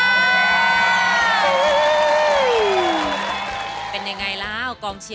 มาเยือนทินกระวีและสวัสดี